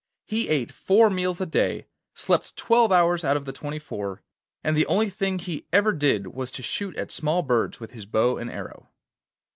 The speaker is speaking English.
He ate four meals a day, slept twelve hours out of the twenty four, and the only thing he ever did was to shoot at small birds with his bow and arrow.